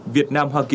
việt nam hoa kỳ